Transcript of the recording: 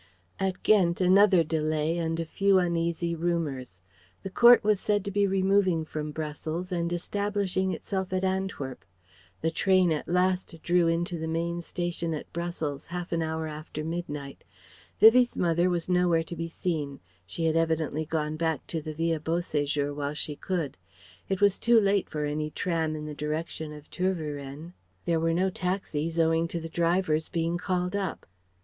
At Ghent another delay and a few uneasy rumours. The Court was said to be removing from Brussels and establishing itself at Antwerp. The train at last drew into the main station at Brussels half an hour after midnight. Vivie's mother was nowhere to be seen. She had evidently gone back to the Villa Beau séjour while she could. It was too late for any tram in the direction of Tervueren. There were no taxis owing to the drivers being called up.